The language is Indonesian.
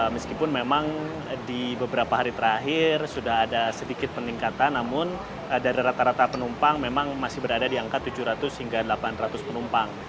meskipun memang di beberapa hari terakhir sudah ada sedikit peningkatan namun dari rata rata penumpang memang masih berada di angka tujuh ratus hingga delapan ratus penumpang